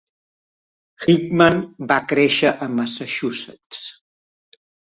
Hickman va créixer a Massachusetts.